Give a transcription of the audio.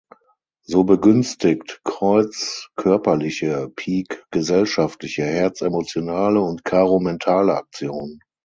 So begünstigt Kreuz körperliche, Pik gesellschaftliche, Herz emotionale und Karo mentale Aktionen.